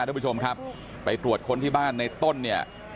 ทุกผู้ชมครับไปตรวจคนที่บ้านในต้นเนี่ย